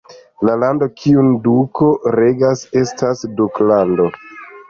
La lando kiun duko regas estas duklando.